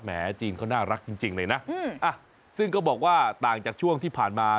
จีนเขาน่ารักจริงเลยนะซึ่งก็บอกว่าต่างจากช่วงที่ผ่านมา